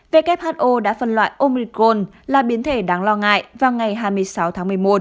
who đã phân loại omicron là biến thể đáng lo ngại vào ngày hai mươi sáu tháng một mươi một